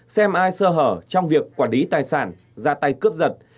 xem ai sơ hở trong việc quản lý tài sản ra tay cướp giật